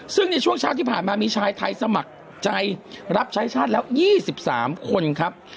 ซึ่งในช่วงเช้าที่ผ่านมามีชายไทยสมัครใจรับใช้ชาติแล้ว๒๓คนครับ